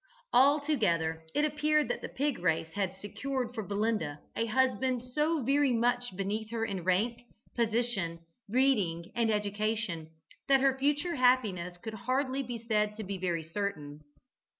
Altogether it appeared that the pig race had secured for Belinda a husband so very much beneath her in rank, position, breeding and education that her future happiness could hardly be said to be very certain.